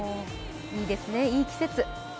いいですね、いい季節。